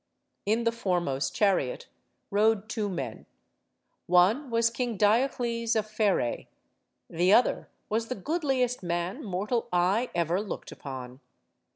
In the foremost chariot rode two men. One was King Diocles of Pherae. The other was the goodliest man mortal eye ever looked upon.